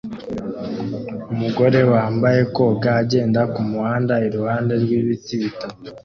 Umugore wambaye koga agenda kumuhanda iruhande rwibiti bitatu